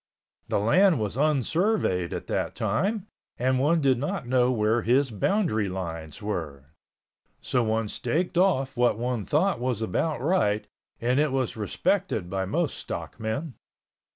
The land was unsurveyed at that time and one did not know where his boundary lines were. So one staked off what one thought was about right and it was respected by most stockmen.